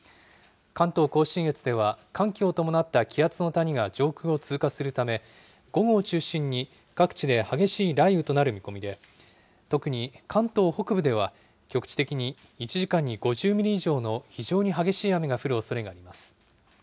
関東甲信越では寒気を伴った気圧の谷が上空を通過するため、午後を中心に各地で激しい雷雨となる見込みで、特に関東北部では、局地的に１時間に５０ミリ以上の非常に激しい雨が降るおそれがあります。